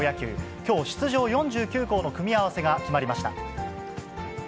きょう、出場４９校の組み合わせが決まりました。